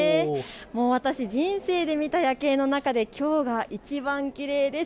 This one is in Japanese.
私、人生で見た夜景の中できょうがいちばんきれいです。